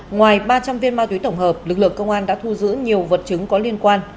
ngoài ba trăm linh viên ma túy tổng hợp lực lượng công an đã thu giữ nhiều vật chứng có liên quan